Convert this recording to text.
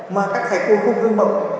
mà các thầy cô không thương mộng